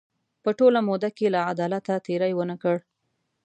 په ټوله موده کې له عدالته تېری ونه کړ.